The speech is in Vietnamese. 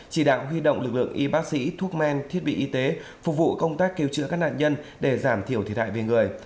chỉ đạo huy động lực lượng y bác sĩ thuốc men thiết bị y tế phục vụ công tác cứu chữa các nạn nhân để giảm thiểu thiệt hại về người